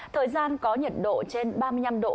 thời gian có nhiệt độ trên ba mươi năm độ